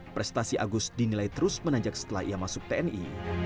prestasi agus dinilai terus menanjak setelah ia masuk tni